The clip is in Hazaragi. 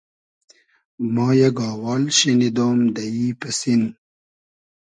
ما یئگ آوال شینیدۉم دۂ ای پئسین